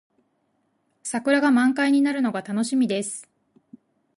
桜が満開になるのが楽しみです。